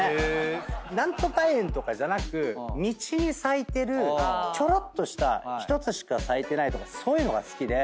何とか園とかじゃなく道に咲いてるちょろっとした１つしか咲いてないとかそういうのが好きで。